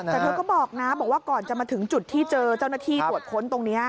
แต่เธอก็บอกนะบอกว่าก่อนจะมาถึงจุดที่เจอเจ้าหน้าที่ตรวจค้นตรงนี้